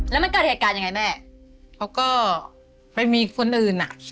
แล้วมันเกิดเหตุการณ์ยังไงแม่เขาก็ไปมีคนอื่นอ่ะ